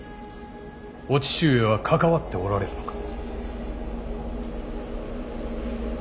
お父上は関わっておられるのか。